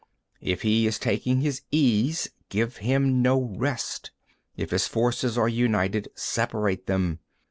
If he is taking his ease, give him no rest. If his forces are united, separate them. 24.